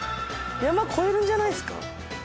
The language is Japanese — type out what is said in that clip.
山越えるんじゃないですか？